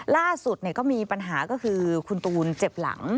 ล่าสุดก็มีปัญหาก็คือคุณตูนเจ็บหลัง